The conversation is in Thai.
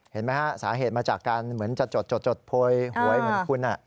เห็นไหมฮะสาเหตุมาจากการเหมือนจะจดโพยหวยเหมือนคุณ